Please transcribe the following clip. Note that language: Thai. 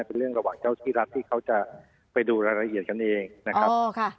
เป็นเรื่องระหว่างเจ้าที่รัฐที่เขาจะไปดูรายละเอียดกันเองนะครับ